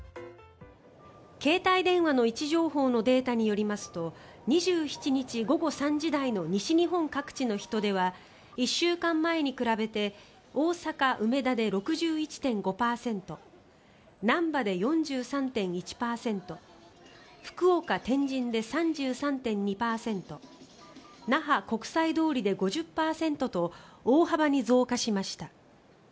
携帯電話の位置情報のデータによりますと２７日午後３時台の西日本各地の人出は１週間前に比べて大阪・梅田で６１．５％なんばで４３．１％福岡・天神で３３．２％那覇・国際通りで５０％と大幅に増加しました。